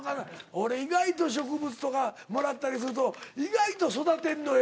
俺意外と植物とかもらったりすると意外と育てんのよ。